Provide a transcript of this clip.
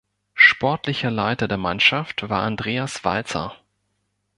Sportlicher Leiter der Mannschaft war Andreas Walzer.